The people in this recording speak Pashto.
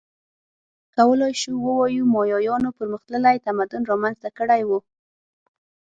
کولای شو ووایو مایایانو پرمختللی تمدن رامنځته کړی و